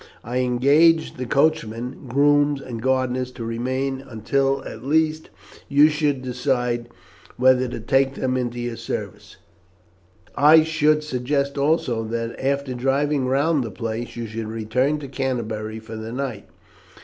I engaged the coachman, grooms, and gardeners to remain until, at least, you should decide whether to take them into your service. I should suggest also that, after driving round the place, you should return to Canterbury for the night.